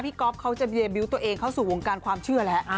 ก๊อฟเขาจะเบียร์บิวต์ตัวเองเข้าสู่วงการความเชื่อแล้ว